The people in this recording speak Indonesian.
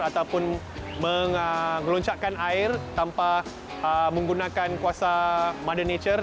ataupun mengeloncakkan air tanpa menggunakan kuasa mode nature